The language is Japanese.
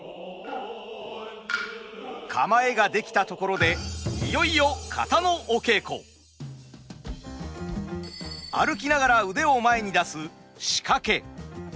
構えができたところでいよいよ歩きながら腕を前に出すシカケ。